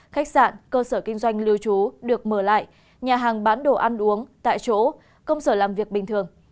khách sạn cơ sở kinh doanh lưu trú được mở lại nhà hàng bán đồ ăn uống tại chỗ công sở làm việc bình thường